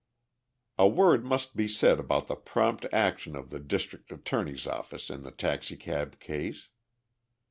A word must be said about the prompt action of the District Attorney's office in the taxicab case.